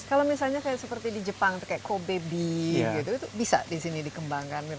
kalau misalnya kayak seperti di jepang kayak kobe bee gitu bisa di sini dikembangin